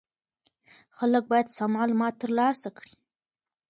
خلک باید سم معلومات ترلاسه کړي.